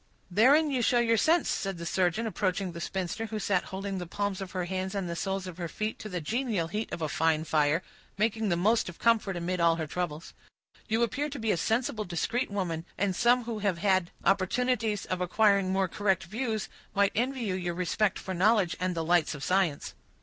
"Therein you show your sense," said the surgeon, approaching the spinster, who sat holding the palms of her hands and the soles of her feet to the genial heat of a fine fire, making the most of comfort amid all her troubles. "You appear to be a sensible, discreet woman, and some who have had opportunities of acquiring more correct views might envy you your respect for knowledge and the lights of science."